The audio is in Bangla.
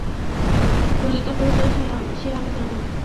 ললিতা কহিল, সে আমি জানি।